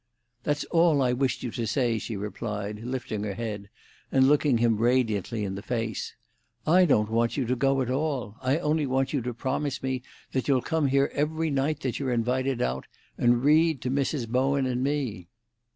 "That's all I wished you to say," she replied, lifting her head, and looking him radiantly in the face. "I don't want you to go at all! I only want you to promise that you'll come here every night that you're invited out, and read to Mrs. Bowen and me."